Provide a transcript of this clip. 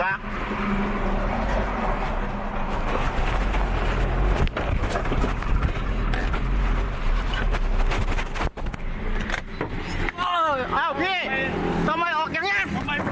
เอ้าพี่ทำไมออกอย่างนี้